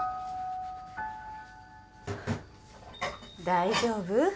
大丈夫？